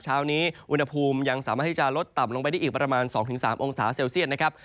เช้านี้อุณหภูมิยังสามารถที่จะลดต่ำลงไปได้อีกประมาณ๒๓องศาเซลเซียตนะครับ